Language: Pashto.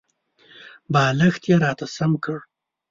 بالښت یې راته سم کړ .